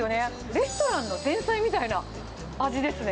レストランの前菜みたいな味ですね。